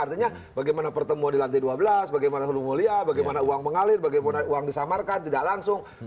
artinya bagaimana pertemuan di lantai dua belas bagaimana seluruh mulia bagaimana uang mengalir bagaimana uang disamarkan tidak langsung